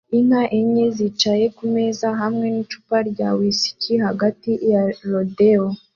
Inka enye zicaye kumeza hamwe nicupa rya whiski hagati ya rodeo